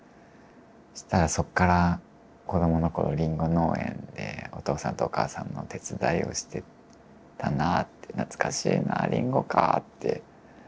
そしたらそこから「子どもの頃りんご農園でお父さんとお母さんの手伝いをしてたな懐かしいなりんごか」って。